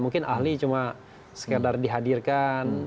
mungkin ahli cuma sekedar dihadirkan